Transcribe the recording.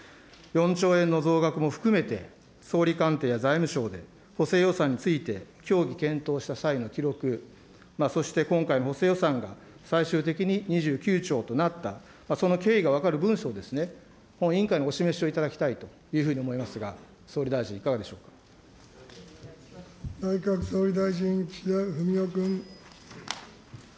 ４兆円の増額も含めて、総理官邸や財務省で補正予算について協議、検討した際の記録、そして今回の補正予算が最終的に２９兆となった、その経緯が分かる文書を、本委員会にお示しをいただきたいというふうに思いますが、総理大内閣総理大臣、岸田文雄君。